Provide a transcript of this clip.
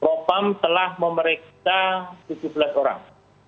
propam telah memeriksa tujuh belas orang